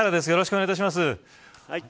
よろしくお願いします。